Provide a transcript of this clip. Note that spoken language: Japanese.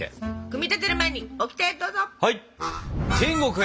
組み立てる前にオキテどうぞ！